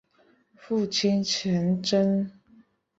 父亲陈贞。